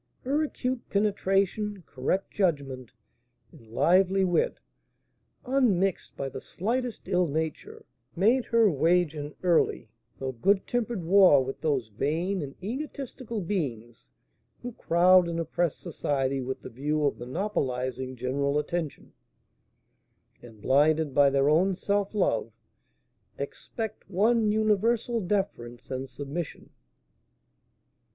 Her acute penetration, correct judgment, and lively wit, unmixed by the slightest ill nature, made her wage an early, though good tempered war with those vain and egotistical beings who crowd and oppress society with the view of monopolising general attention, and, blinded by their own self love, expect one universal deference and submission.